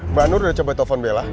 mbak nur udah coba telepon bella